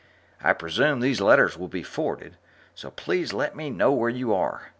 I presume these letters will be forwarded, so please let me know where you are.